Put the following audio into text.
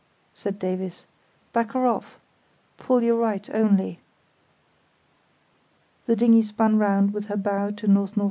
said Davies. "Back her off! Pull your right only." The dinghy spun round with her bow to N.N.W.